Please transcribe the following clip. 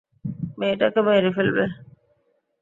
মেয়েটাকে মেরে ফেলবে?